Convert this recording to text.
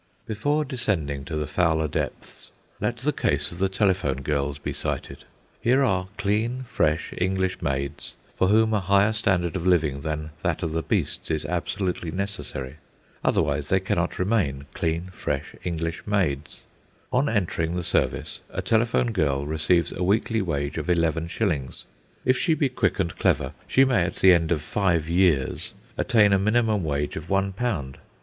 Before descending to the fouler depths, let the case of the telephone girls be cited. Here are clean, fresh English maids, for whom a higher standard of living than that of the beasts is absolutely necessary. Otherwise they cannot remain clean, fresh English maids. On entering the service, a telephone girl receives a weekly wage of eleven shillings. If she be quick and clever, she may, at the end of five years, attain a minimum wage of one pound.